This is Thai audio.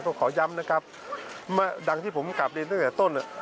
ก็ขอย้ำนะครับดังที่ผมกลับเรียนตั้งแต่ต้น